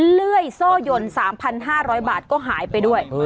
เลื่อยโซ่ยน๓๕๐๐บาทก็หายไปด้วย